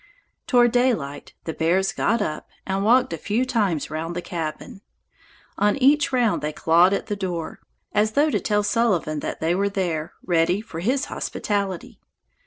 Toward daylight the bears got up and walked a few times round the cabin. On each round they clawed at the door, as though to tell Sullivan that they were there, ready for his hospitality.